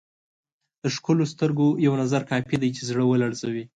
د ښکلو سترګو یو نظر کافي دی چې زړه ولړزوي.